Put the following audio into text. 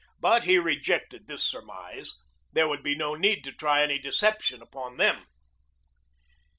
But he rejected this surmise. There would be no need to try any deception upon them.